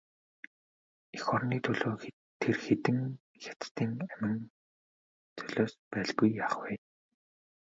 Эх орны төлөө тэр хэдэн хятадын амин золиос байлгүй яах вэ?